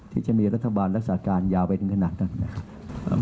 ที่จะมีรัฐบาลรักษาการยาวไปถึงขนาดนั้นนะครับ